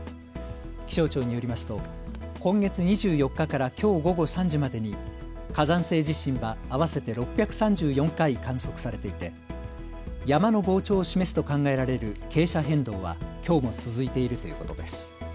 気象庁によりますと今月２４日からきょう午後３時までに火山性地震は合わせて６３４回観測されていて山の膨張を示すと考えられる傾斜変動はきょうも続いているということです。